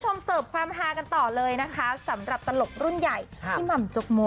เสิร์ฟความฮากันต่อเลยนะคะสำหรับตลกรุ่นใหญ่พี่หม่ำจกโม